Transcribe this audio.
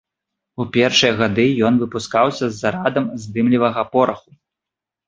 У першыя гады ён выпускаўся з зарадам з дымлівага пораху.